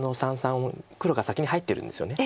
黒が先に入ってるんですよね。